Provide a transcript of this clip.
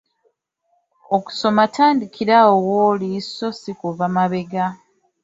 Okusoma tandikira awo w'oli so si kuva mabega.